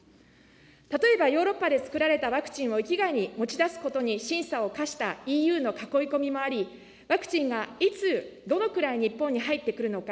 例えばヨーロッパでつくられたワクチンを域外に持ち出すことに審査を課したＥＵの囲い込みもあり、ワクチンがいつ、どのくらい、日本に入ってくるのか。